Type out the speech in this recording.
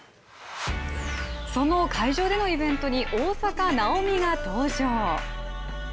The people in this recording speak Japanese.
その会場でのイベントに大坂なおみが登場。